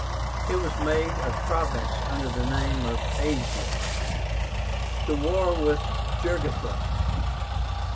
It was made a province under the name of ASIA. THE WAR WITH JUGURTHA.